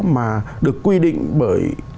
mà được quy định bởi